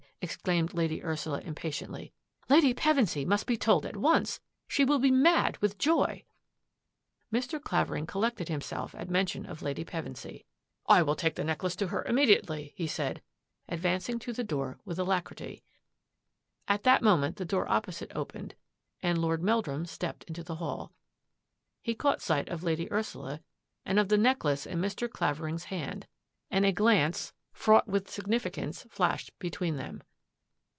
" exclaimed Lady Ursula impatiently. " Lady Pevensy must be told at once. She will be mad with joy." Mr. Clavering collected himself at mention of Lady Pevensy. " I will take the necklace to her immediately," he said, advancing to the door with alacrity. At that moment the door opposite opened and Lord Meldrum stepped into the hall. He caught sight of Lady Ursula and of the necklace in Mr. Clavering's hand, and a glance fraught with sig THE DRESSING TABLE DRAWER 111 nificance flashed between them.